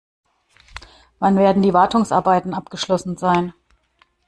Wann werden die Wartungsarbeiten abgeschlossen sein?